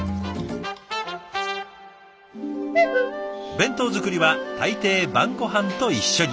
弁当作りは大抵晩ごはんと一緒に。